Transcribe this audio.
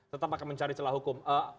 tetap akan mencari celah hukum